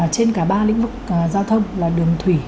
trên cả ba lĩnh vực giao thông là đường thủy